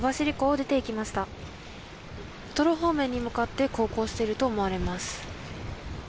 ウトロ方面に向かって航行していると思われます。